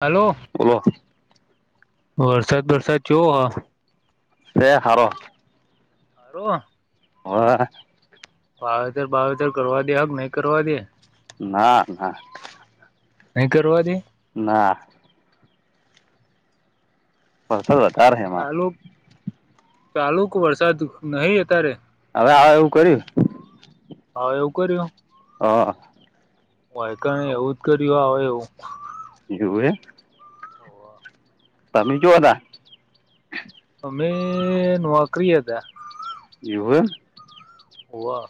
હાલો. ઓ. વરસાદ વરસાદ જોયો હા, અરે સાવ. હ [inaudible] હ [inaudible] વાવેતર બાવેતર કરવા દે નઈ કરવા દે. ના, ના. નહીં કરવા દે. ના. હ સરૂવાત આ રાહમાં, ચાલુક વરસાદ નહીં અત્યારે. હવે આવ એવું કર્યું, હા એવું કર્યું. હા. હોય કાંઈ એવું જ કર્યું આવે એવું, યુવેઈટ. તમે હજું અદા અમે નોકરીએ હતા. વું [inaudible] હોવા.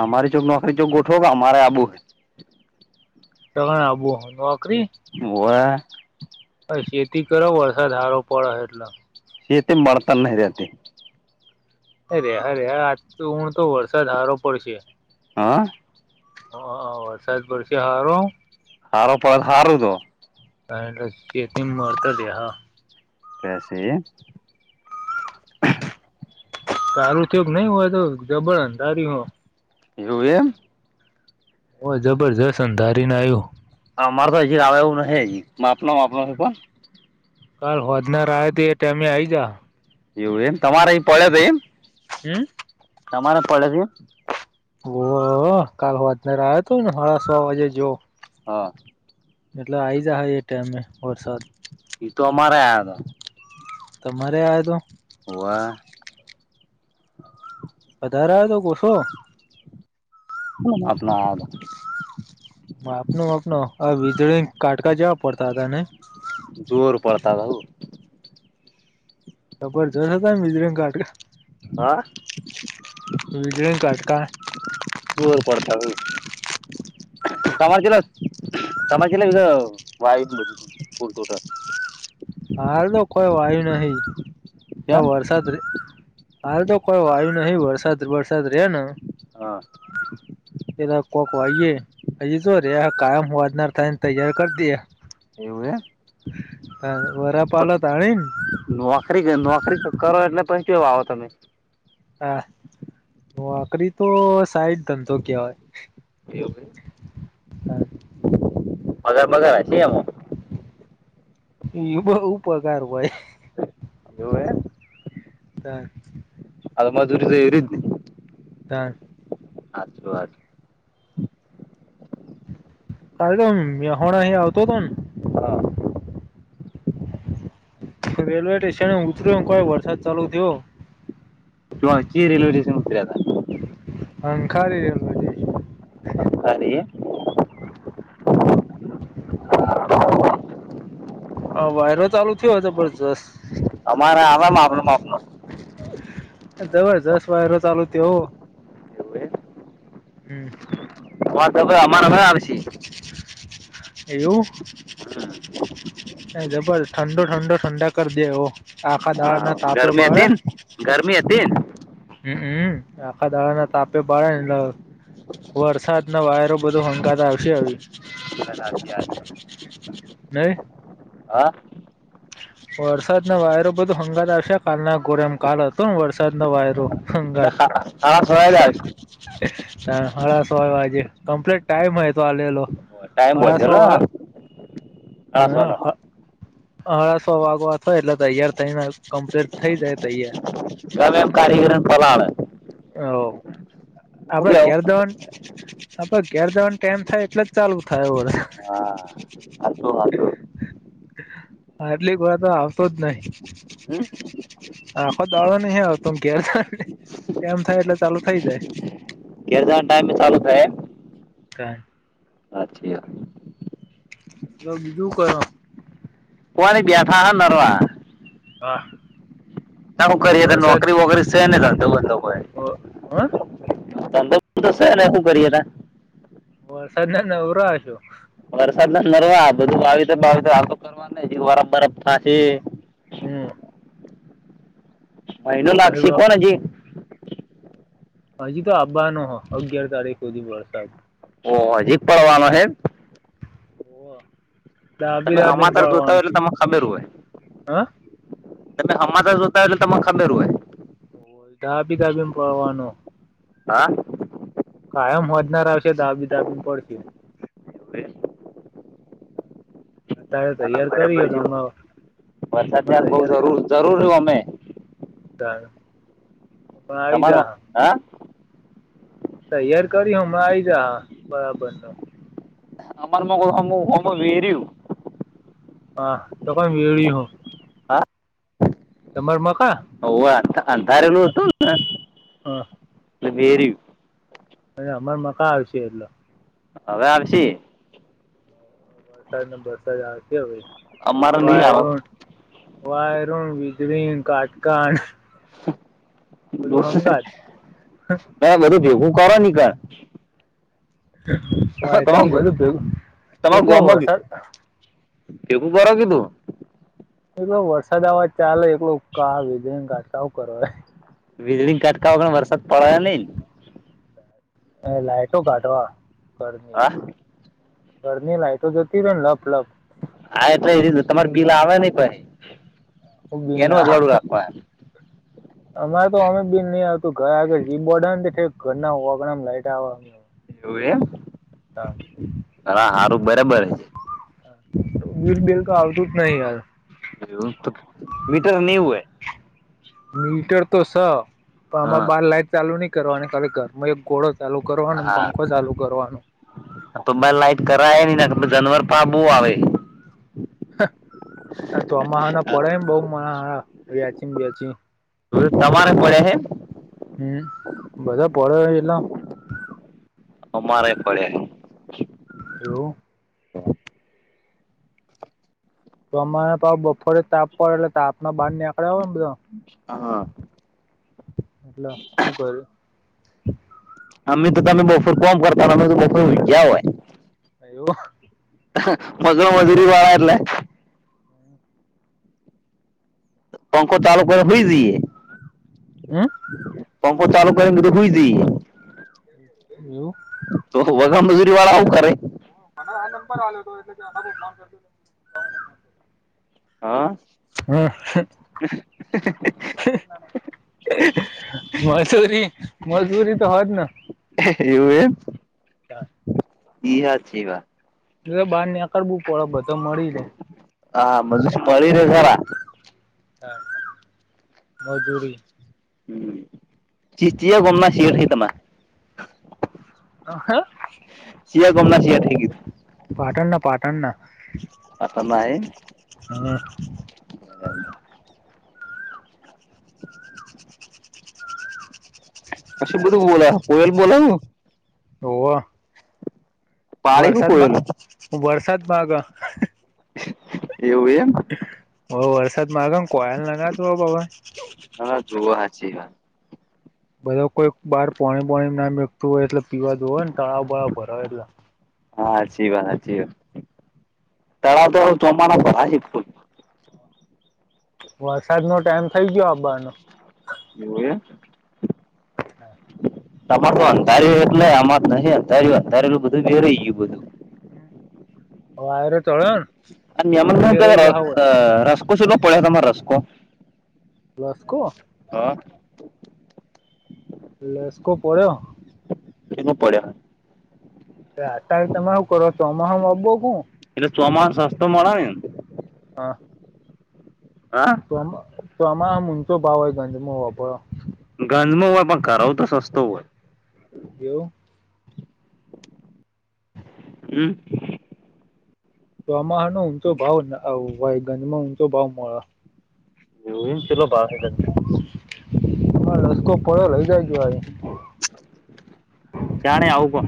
અમારી ચક નોકરી ચક ગોઠો અમારે આબુ હો, તમારે આબુ નોકરીજ. બવે [inaudible] ખેતી કરો વરસાદ હારો પડે એટલે, ખેતી મળતાર ન રેહતી. રેહા રેહા આજ તો ઓણ તો વરસાદ હારો પડશે. હા. હ વરસાદ પડશે હારો, હારોપળ હારુ તો. કાર ખેતી વર્તદેહ. પેસે. સારું થયોગ નહીં હોય તો જ બળ અંધારી હો. એવું એમ. હું જબરજસ્ત અંધારીને આવ્યો. મારે તો હજી આવવા એવું ન માપના માપ છે, પણ કાલ હોજનાર આવે તોએ ટાઈમે આવીજા. એવું એમ તમારે પડે ભાઈ એમ, હું તમારે પડે છે, બ કાલ વાતનાર આવ્યો હતો, ને સાડા છ વાગેજો. હા, મતલબ આઈ જહાએ ટાઈમમે વરસાદ, એતો અમારે આયા હતાં. તમારે આતો, વાહ, વધારે હતો કે ઓછો. હું આપણા. આપનુનો માપનો આ વીજળી કાટકા જવા પડતા હતા ને. જોર પડતા હતા. હ.. ખબર જશે હતા ને બિજરંગ કાટકા. હા.. વીજળી કાટકા તુવર પડતારુ તમારે તમારેલા [unintelligible] બધ વાઈટ બધું પુરતું નટુ હાલ, તો કોઈ વાયુ નહી આ કેમ વરસાદ રે.. હાલ તો, કોઈ વાયુ નહીં વરસાદ વરસાદ રે ન હા પેલા કોક વાઈએે હજી, તો રે કાયમ હોવાજનાર થાયને તૈયારી કરી દેએ. [inaudible] એવું હે. [inaudible] બારા પાલતા દાણી. નોકરી નોકરી કરો એટલે [inaudible] વાવો તમે. હા.. નોકરી તો સાઈડ ધંધો કેવાય. [inaudible] એવું. [inaudible] બાલ બાલ અતિ આવું. એ [inaudible] બહ ઉપકાર હોય. એવું એમ હાલ જોઈએ તો [inaudible] એ રેયેજની હા.. આટલા જ. ક [inaudible] તોહોણા અહીં આવતો હતો ને.. હા [inaudible] રેલવે સ્ટેશન ઉતર્યો પણ કઈ વરસાદ ચાલુ થયો. જો [inaudible] આચીએ રેલ્વે સ્ટેશન ઉતયા હતા. હ ખારીરે બધી. બ.. ખારી આ વાયરો ચાલુ થયો હતો, [inaudible] બબરજસ્ત અમારા આવે માપનો માપ નો. જબરજસ્ત વાયરો ચાલુ, તેવો. એવું હમ. વાત હવે અમાર હવે આવશે. એવું? જબર ઠંડો ઠંડો ઠંડા કરી દે એવો, આખા દાડા હા ના તાપે ગરમી બળે? હતી ને ગરમી હતી હમ હમ આખા દાડાના તાપે બળે ન એટલ વરસાદન, વાયરો બધો હંગાથ આવશે. તન [unintelligible] નહિ? હા વરસાદન વાયરો બધો હંગાથ આવશે, કાલના ગોરેમ, કાલ હતોને, વરસાદનો વાયરો? એટલે હાડા હાડા છ એ જ આવસે હાડા સોય વાગે, કમ્પ્લીટ ટાઈમ એ તો આલેલો ટાઈમ બાંધેલો? હમ હ હાડા સો વાગવા થાય એટલે તૈયાર થઈને, કમ્પ્લીટ થઇ જાય તૈયાર. ગમે એમ કારીગરોને પલાડે હો, આપે કેવું કેર દોન આપે ઘેર જવાન ટેમ થાય એટલે જ ચાલુ થાય એવો રે! હા હાચું હાચું આટલીક વાર તો આવતો જ નહીં. હમ? આખો દાડો નહીં આવતો ને ઘેર જવાન ટાઇમ એમ થાય એટલે ચાલુ થઇ જાય. ઘેર જવાન ટાઈમે ચાલુ થાય, એમ? કાય હાચી વાત લો, બીજું કરો પોણી બેઠા હે નરવા. વાહ તણ હું કરીએ તો, નોકરી વોકરી સે નહીં ધંધોબધો કોઈ હ? ધંધો તો સે નહિ હું કરીએ તાણ? વરસાદના નવરા હશો વરસાદના નરવા, બધું વાવીસુ બાવીસુ [unintelligible] વરાપ બરાપ થાહે. હમ મહિનો લાગશી પછી કોણ હજી? હજી તો આવવાનો હ, અગિયાર તારીખ સુધી વરસાદ. ઓહ, હજી પડવાનો એમ? હ તમે હમાચાર જોતા હોય એટલે તમે ખબેર હોય. હ એટલે હમાચાર જોતા હોય એટલે તમારે ખબેર હોય. દાબી દાબીન પડવાનો હા? કાયમ હોજનાર આવશે, દાબી દાબી પડશે ઠીક અતારે ના ના તૈયાર કરી બરાબર એટલે જો, હમણાં વરસાદ હમણાં ત્યાન બઉ તૈયાર જરૂર, જરૂર ઓ મે. હ, આઈ તમારો જાહે. હા તૈયાર કરી, હમણા આઈ જાય, બરાબરનો. અમાર ના હોય, અમાર હોમુ લેરિયુ. હા તો પણ વળી હો તમાર મકા હ અંધારેલું હતુંને હ અને એટ વેરી અને અમાર મકા આવશે એટલો હવે આવશે વરસાદ ને વરસાદ આવતીવે અમારે નહી વાય આવે રણ વાયરોવિજળી કટકા ત બધું ભેગું કરો નીક વાય તમા કામ બધું ભું એકલો હો વરસાદ એવુ કરે કે તું એલો વરસાદ આવાજ ચાલે એકલો ક વિજ ગાટકાવ કરો વીજળી કટકાવા પણ વરસાદ પડયા નઈને લાઈટો કાઢવા ઘરની હા ઘર ની લાય તો જતી રને લપ લપ હા એટલે એ તમાર બિલ આવે નહ ભાઈ બિલ એનું ના અજવાળું આવે રાખવા અમારે તો અમે બીન નહી આવતું ઘરે આગર જી બોર્ડ ઘરના ઓગડા લાઈટમે એવું એમ હા હા હારું બરાબર વીર બિલ તો આવતું જ નહી હયાર મીટર નહી હું એ મીટર તો સ પણ આમાં હા બાર લાઈટ ચાલુ નહી કરવા અને ખરેખર એક ઘોડો ચાલુ કરવાનું હા પંખો ચાલુ કરવાનું તો બ લાઈટ કરાવાય નઈ ના જનવર પા બુ આવે ચોમા હને પડે બહ મ વ્યાચીને બે્યાચી ત સવારે પડે ને હમ્મ બધા પળ્યા એલા અમારે પડે હલો તોમારે પાાવ બફોરે તાપ પડે એટલે તાપના બહાર ને આપડ આવને બધા હા એટલે હું કર અમે તો તમે બપોર કોમ કરતા હો અમે તો બપોર ગયા હોય અયું મગળ મધુરી વડા એટલે પંખ ચાલુ કરે હુઈ રે હમ પંખો ચાલુ કર પછી હુઈ જયે એવું તો વગ મજૂરી વાળા આવું કરે મ આ નંબર આવ્યો હતો એટલે કામ કરું હતું હા હા મજૂરી મજૂરી તો હોત એવું એમ [unintelligible] છે વા બાર નેકાર બું પડ બધ મળી જે હા મજુરી મળી રે ખરા હ મજૂરી હમ્મ ચીચ ગોમ મા શિયાળ થ તમાં અ હ [unintelligible] ભાટણ ના પાટણ ના. અતા નાઈ. હમ્મ. [unintelligible] અશું બધુ બોલા કોયલ બોલઉં. હોવ. પાણી હું કોયેલું વરસાદમા વરસાદ માગ. એવું એમ. હો વરસાદ માગે ન કોયલ નાગત હો બ હવે. હા જોઓ હાચી વાત. બધા કોઈક બહાર પોણી બોણી ના મેકતું હોય એટલે પીવા જોવે ને તળાવ બળાવ ભરાય એટલે. હા હાચી વાત હાચી વાત. તળાવ તો હવે ચોમાહા ના ભરાઈ હ. વરસાદનો ટાઈમ થઈ ગયો આબાનો. એવું હે. [inaudible] તમાર તો અંધારિયું એટલે આમાર તો નહીં અંધારિયું અંધારેલું બધું વેરેયું ગ્યું બધું. વાયરો તડીયોન. આ નિયમનના ઘરે રસકો સે કે પડ્યા તમાર રસકો. રસકો? હા. લેસકો પડ્યો. કેમ હ પડ્યા. અતારે તમે હું કરો ચોમાહામમાં બોહું. એટલે ચોમાહા સસ્તો મળેને. હા. હા? ચોમાહા મા ઊંચો ભાવ હોય. [unintelligible] ઘરનું હોય પણ કરવું તો સસ્તુ હોય. એવું. હમ્મ. ચોમાહામા નો ઊંચો ભાવ ભય ગંજમાં ઊંચો ભાવ મળે. એવું એમ કેટલો ભાવ છે ગંજનો હ રસ્કો પડ્યો લઈ જાજો આઈ ને. ચિયાણે આવુ કો.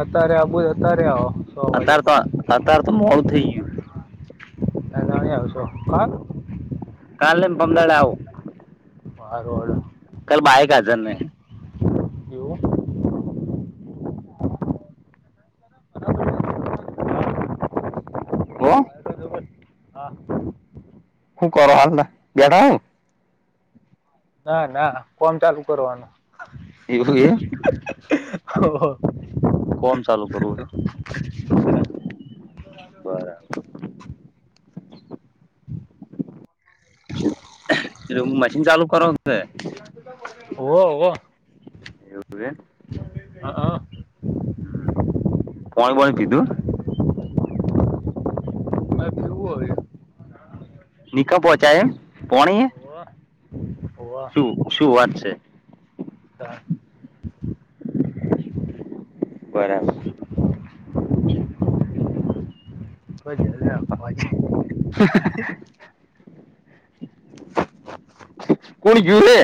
અતારે આવુ હે અતારે આવો. સો અતાર તો વાગ્યા પછી અતાર તો મોળું થઈ ગીયું. ને અતારે ની આવશો કા. કાલે ને પરમ દાડે આવું. હારુ હાલો. કલ બાઈક હાજર નહી. એવું. હો. હા. હું કર હાલના બેઠા હે ન. ના ના કોમ ચાલુ કરવાનું. એવું હે. હોવ. કોમ ચાલુ કરવું છે. બરાબર. મશીન ચાલુ કરવાનું છે. હોવ હોવ. એવું કે. હા હા. પોણી બોણી પીધું. હ કેવું હોય. નિખા પહોંચાય પોણી વોર. શું શું વાત છે. હા. બરાબર. કો જખજ [inaudible] હ [inaudible] કોણ ગીયુ રે.